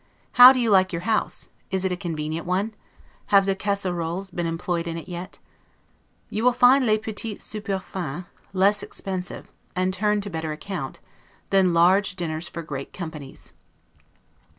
How do you like your house? Is it a convenient one? Have the 'Casserolles' been employed in it yet? You will find 'les petits soupers fins' less expensive, and turn to better account, than large dinners for great companies.